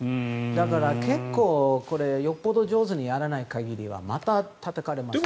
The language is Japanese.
だから結構よっぽど上手にやらない限りはまたたたかれます。